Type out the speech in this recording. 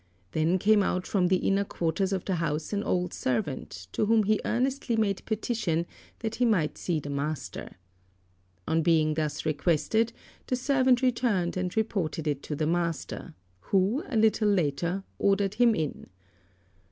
Then came out from the inner quarters of the house an old servant, to whom he earnestly made petition that he might see the master. On being thus requested, the servant returned and reported it to the master, who, a little later, ordered him in.